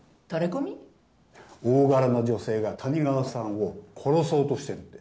大柄な女性が谷川さんを殺そうとしてるって。